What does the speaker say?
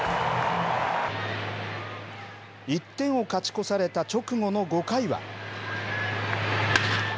１点を勝ち越された直後の５回は。